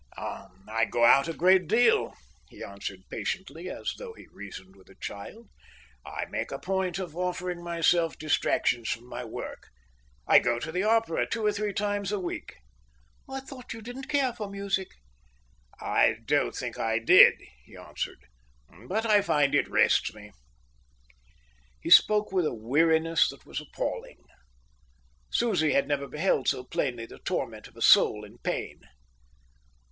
"I go out a great deal," he answered patiently, as though he reasoned with a child. "I make a point of offering myself distractions from my work. I go to the opera two or three times a week." "I thought you didn't care for music." "I don't think I did," he answered. "But I find it rests me." He spoke with a weariness that was appalling. Susie had never beheld so plainly the torment of a soul in pain.